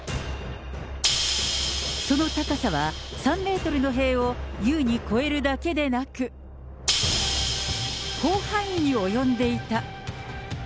その高さは３メートルの塀を優に超えるだけでなく、広範囲に及んでいた。